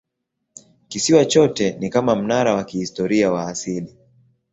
Kisiwa chote ni kama mnara wa kihistoria wa asili.